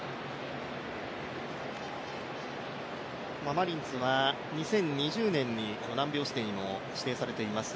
マリンズは２０２０年に難病指定にも指定されています